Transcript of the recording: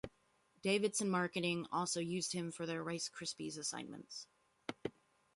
Davidson Marketing also used him for their Rice Krispies assignments.